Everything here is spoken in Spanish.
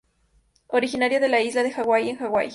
Originaria de la isla de Hawái en Hawái.